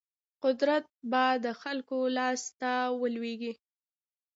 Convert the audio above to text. قدرت به د خلکو لاس ته ولویږي.